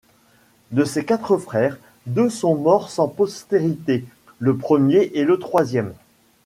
De ces quatre frères, deux sont morts sans postérité, le premier et le troisième.